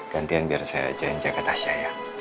gantian biar saya ajakin jaga tasya ya